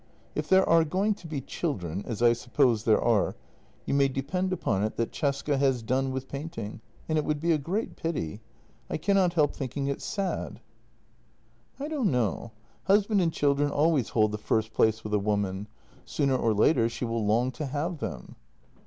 " If there are going to be children — as I suppose there are — you may depend upon it that Cesca has done with painting, and it would be a great pity. I cannot help thinking it's sad." " I don't know. Husband and children always hold the first place with a woman; sooner or later she will long to have them."